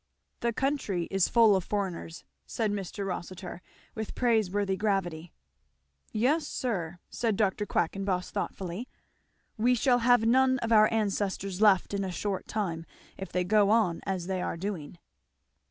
"The country is full of foreigners," said Mr. Rossitur with praiseworthy gravity. "Yes sir," said Dr. Quackenboss thoughtfully; "we shall have none of our ancestors left in a short time, if they go on as they are doing."